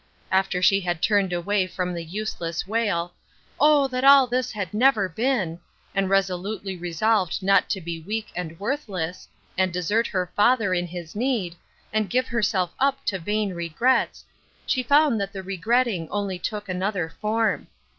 After she liad turned away from the useless wail, " Oh, that all this had never been !" and resolutely resolved not to be weak and worthless, and desert her father in his need, and give herself up to vain regrets, she found that the regretting only took another form.